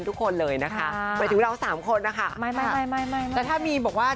ทุกคนเลยนะคะหมายถึงเราสามคนนะคะไม่ไม่ไม่แต่ถ้ามีบอกว่า